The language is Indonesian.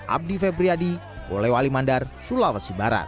abdi febriadi kolew ali mandar sulawesi barat